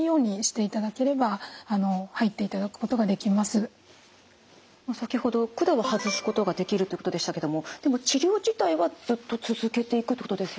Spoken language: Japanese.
ご自宅で先ほど管を外すことができるってことでしたけどもでも治療自体はずっと続けていくってことですよね？